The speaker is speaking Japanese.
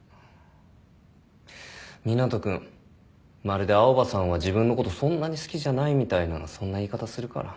まるで青羽さんは自分のことそんなに好きじゃないみたいなそんな言い方するから。